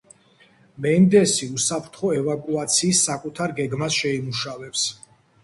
მენდესი უსაფრთხო ევაკუაციის საკუთარ გეგმას შეიმუშავებს.